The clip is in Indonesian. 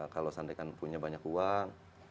kalau seandainya punya banyak uang